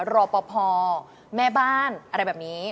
รอปภแม่บ้านอะไรแบบนี้